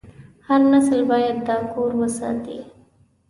هر نسل باید دا کور وساتي.